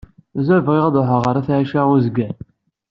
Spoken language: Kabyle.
Mazal bɣiɣ ad ṛuḥeɣ ɣer At Ɛisa Uzgan.